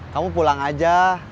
kamu pulang aja